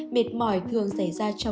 mệt mỏi thường giải thích bởi các bệnh nhân